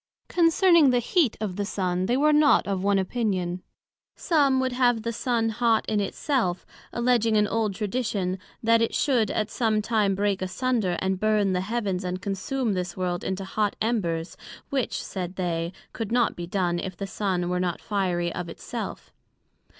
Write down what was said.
Concerning the heat of the Sun, they were not of one opinion; some would have the Sun hot in it self, alledging an old Tradition, that it should at some time break asunder, and burn the Heavens, and consume this world into hot Embers, which, said they, could not be done, if the Sun were not fiery of it self.